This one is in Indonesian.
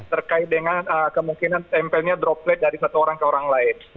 terkait dengan kemungkinan tempelnya droplet dari satu orang ke orang lain